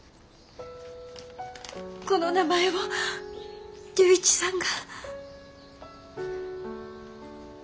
この名前を龍一さんが。